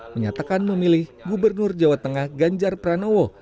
menyatakan memilih gubernur jawa tengah ganjar pranowo